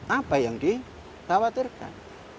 apa yang dikhawatirkan